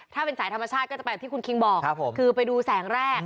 ถ้าเป็นสายธรรมชาติก็จะแบบที่คุณคิงบอกคือไปดูแสงแรก